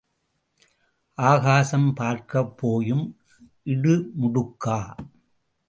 ஆகாசம் பார்க்கப் போயும் இடுமுடுக்கா?